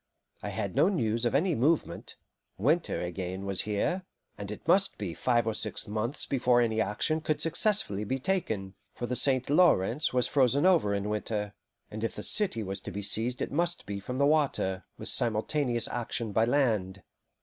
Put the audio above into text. I had no news of any movement, winter again was here, and it must be five or six months before any action could successfully be taken; for the St. Lawrence was frozen over in winter, and if the city was to be seized it must be from the water, with simultaneous action by land.